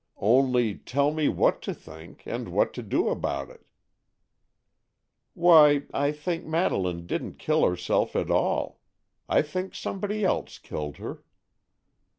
"Only tell me what to think, and what to do about it." "Why, I think Madeleine didn't kill herself at all. I think somebody else killed her."